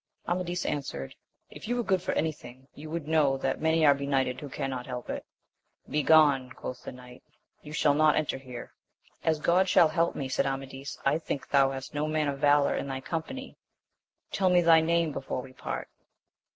Amadis answered, If you were good for any thing you would know that many are benighted who cannot help it. Be gone ! quoth the knight, you shall not enter here. As God shall help me, said Amadis, I think thou hast no man of valour in thy company ! tell me thy name before we part.